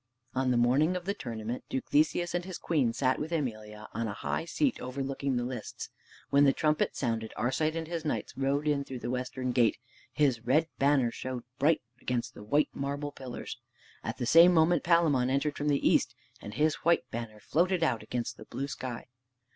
On the morning of the tournament Duke Theseus and his queen sat with Emelia on a high seat overlooking the lists. When the trumpet sounded, Arcite and his knights rode in through the western gate. His red banner shone bright against the white marble pillars. At the same moment Palamon entered from the east, and his white banner floated out against the blue sky.